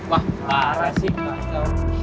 wah parah sih